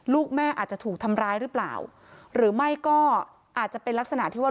ลูกแม่อาจจะถูกทำร้ายหรือเปล่าหรือไม่ก็อาจจะเป็นลักษณะที่ว่า